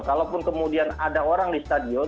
kalaupun kemudian ada orang di stadion